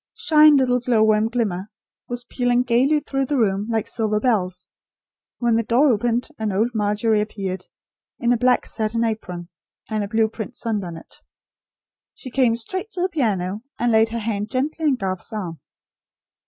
"Shine little glowworm glimmer" was pealing gaily through the room, like silver bells, when the door opened, and old Margery appeared, in a black satin apron, and a blue print sunbonnet. She came straight to the piano, and laid her hand gently on Garth's arm.